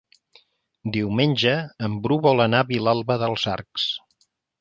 Diumenge en Bru vol anar a Vilalba dels Arcs.